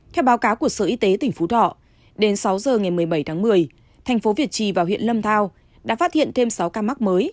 theo báo cáo của sở y tế tỉnh phú thọ đến sáu giờ ngày một mươi bảy tháng một mươi thành phố việt trì và huyện lâm thao đã phát hiện thêm sáu ca mắc mới